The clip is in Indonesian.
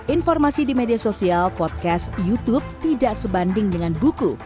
informasi di media sosial podcast youtube tidak sebanding dengan buku